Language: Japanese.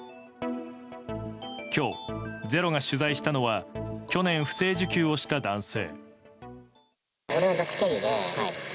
今日「ｚｅｒｏ」が取材したのは去年、不正受給をした男性。